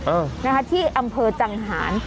เออนะคะที่อำเภอจังหาร